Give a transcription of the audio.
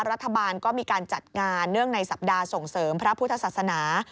รัฐบาลก็มีการจัดงานเนื่องในสัปดาห์ส่งเสริมพระพุทธศาสนา